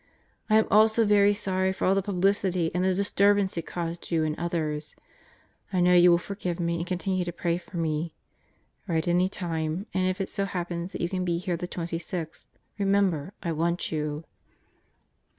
... I am also very sorry for all the publicity and the disturbance it caused you and others, I know you will forgive me and continue to pray for me. ... Write any time, and if it so happens that you can be here the 26th, remember I want you!